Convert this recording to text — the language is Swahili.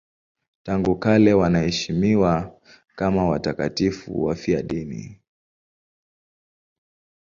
Tangu kale wanaheshimiwa kama watakatifu wafiadini.